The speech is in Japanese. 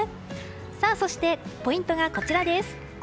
そして、ポイントがこちらです。